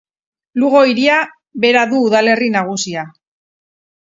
Lugo hiria bera du udalerri nagusia.